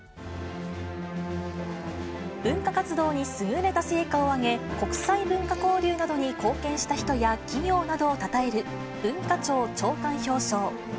文化活動に優れた成果を上げ、国際文化交流などに貢献した人や企業などをたたえる文化庁長官表彰。